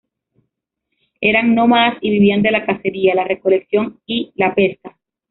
Eran nómadas y vivían de la cacería, la recolección y la pesca.